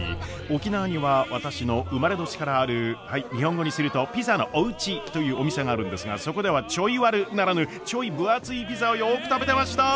沖縄には私の生まれ年からあるはい日本語にすると「ピザのおうち」というお店があるんですがそこでは「ちょいワル」ならぬちょい分厚いピザをよく食べてました！